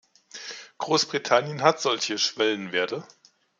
Großbritannien hat solche Schwellenwerte.